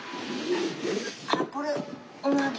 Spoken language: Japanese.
あっこれおなじ。